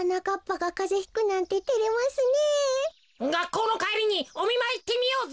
がっこうのかえりにおみまいいってみようぜ。